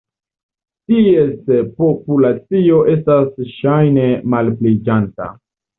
Ties populacio estas ŝajne malpliiĝanta.